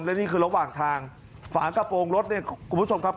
และนี่คือระหว่างทางฝากระโปรงรถเนี่ยคุณผู้ชมครับ